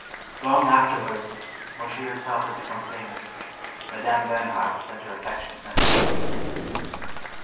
Long afterwards, when she herself had become famous, Madame Bernhardt sent her affectionate messages.